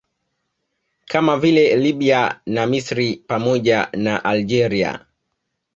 Kama vile Lbya na Misri pamoja na Algeria